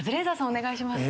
お願いします。